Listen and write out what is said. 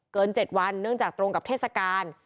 ๗วันเนื่องจากตรงกับเทศกาล